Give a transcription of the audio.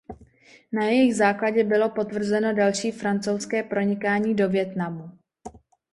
Na jejich základě bylo potvrzeno další francouzské pronikání do Vietnamu.